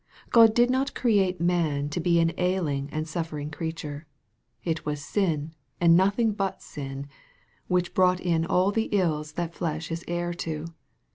God did not create man to be an ailing and suffering creature. It was sin, and nothing but sin, which brought in all the ills that flesh is heir to.